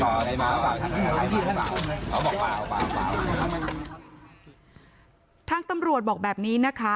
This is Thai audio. เขาบอกเปล่าเปล่าเปล่าทั้งตำรวจบอกแบบนี้นะคะ